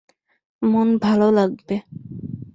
মন ভালো লাগবে।